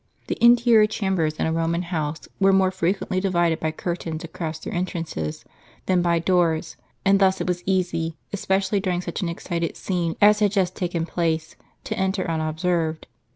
The interior chambers in a Eo man house were more frequently divided by curtains across their entrances than by doors; and thus it was easy, especially during such an excited scene as had just taken place, to enter unobserved.